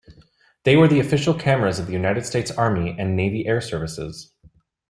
They were the official cameras of the United States Army and Navy Air Services.